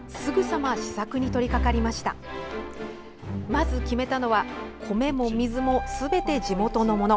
まず決めたのは、米も水もすべて地元のもの